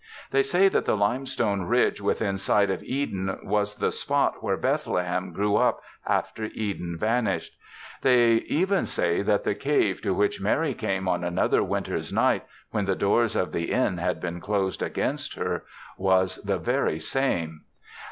They say that the limestone ridge within sight of Eden was the spot where Bethlehem grew up after Eden vanished. They even say that the cave to which Mary came on another winter's night, when the doors of the inn had been closed against her, was the very same.